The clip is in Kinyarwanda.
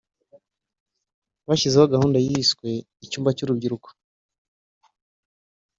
bashyizeho gahunda yiswe “Icyumba cy’urubyiruko”